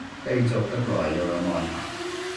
低俗得來又有內涵